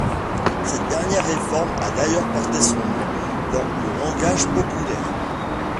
Cette dernière réforme a d'ailleurs porté son nom dans le langage populaire.